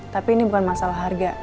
tapi ini bukan masalah harga